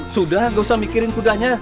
sudah gak usah mikirin sudah nya